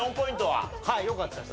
はいよかったです。